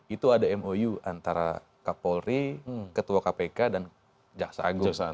itu ada mou antara kapolri ketua kpk dan jaksa agung